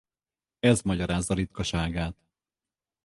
Ez magyarázza ritkaságát.